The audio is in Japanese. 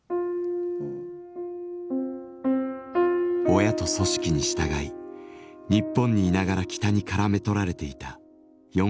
親と組織に従い日本にいながら北にからめ捕られていたヨンヒさんの人生。